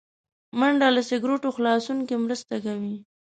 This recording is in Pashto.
منډه له سګرټو خلاصون کې مرسته کوي